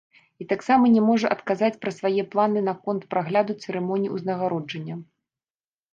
І таксама не можа адказаць пра свае планы наконт прагляду цырымоніі ўзнагароджання.